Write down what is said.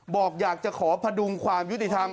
บอกอยากจะขอพดุงความยุติธรรม